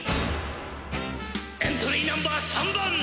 エントリーナンバー３番！